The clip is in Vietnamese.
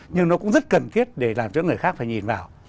nhưng nó cũng rất cần thiết để làm cho người khác phải nhìn vào